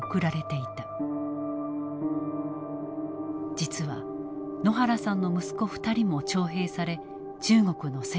実は野原さんの息子２人も徴兵され中国の戦場へ。